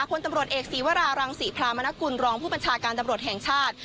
คนตำรวจเอกศีวรารังศรีพรามนกุลรองผู้บัญชาการตำรวจแห่งชาติ